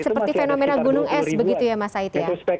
seperti fenomena gunung es begitu ya mas said ya